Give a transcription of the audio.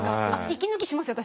息抜きしますよ